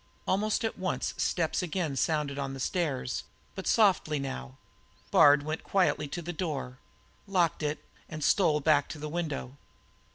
Almost at once steps again sounded on the stairs, but softly now. Bard went quietly to the door, locked it, and stole back to the window.